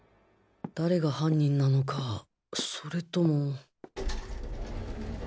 誰が犯人なのかそれとも